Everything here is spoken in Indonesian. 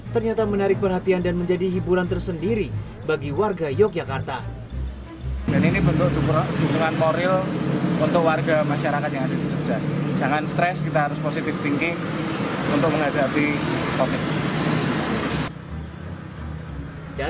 ternyata menarik perhatian dan menjadi hiburan tersendiri bagi warga yogyakarta